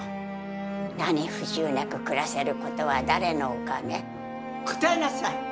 何不自由なく暮らせることは誰のおかげ？答えなさい！